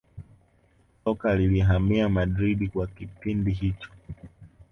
soka lilihamia madrid kwa kipindi hicho